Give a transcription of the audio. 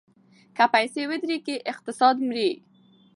که پیسې ودریږي اقتصاد مري.